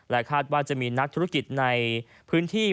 คาดว่าจะมีนักธุรกิจในพื้นที่